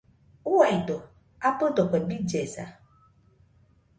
Uaido, abɨdo ie billesa.